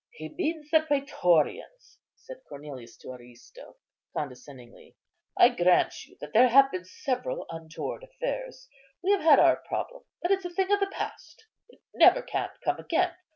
"He means the prætorians," said Cornelius to Aristo, condescendingly; "I grant you that there have been several untoward affairs; we have had our problem, but it's a thing of the past, it never can come again.